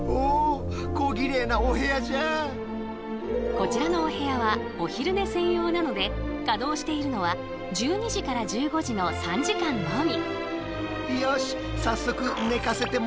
こちらのお部屋はお昼寝専用なので稼働しているのは１２時から１５時の３時間のみ。